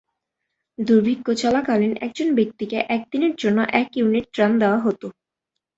দুর্ভিক্ষ চলাকালীন একজন ব্যক্তিকে এক দিনের জন্য এক ইউনিট ত্রাণ দেওয়া হত।